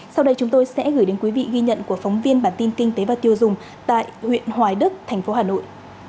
sau đây chúng tôi sẽ gửi đến quý vị ghi nhận của phóng viên bản tin kinh tế và tiêu dùng tại huyện hoài đức thành phố hà nội